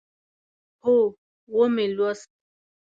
هو، ومی لوست